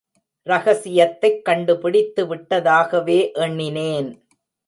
ரகசியத்தைக் கண்டுபிடித்து விட்டதாகவே எண்ணினேன்.